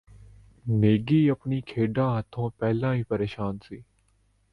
ਨੇਗੀ ਆਪਣੀ ਖੇਡ ਹੱਥੋਂ ਪਹਿਲਾਂ ਹੀ ਪਰੇਸ਼ਾਨ ਸੀ